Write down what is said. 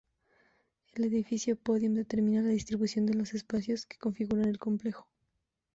El edificio Pódium determina la distribución de los espacios que configuran el complejo.